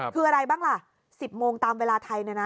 คืออะไรบ้างล่ะ๑๐โมงตามเวลาไทยเนี่ยนะ